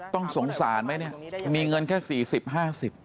ต้องสงสารไหมเนี่ยมีเงินแค่๔๐๕๐บาท